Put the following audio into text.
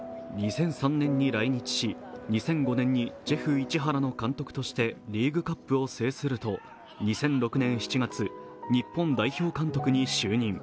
２００３年に来日、２００５年にジェフ市原の監督としてリーグカップを制すると２００６年７月日本代表監督に就任。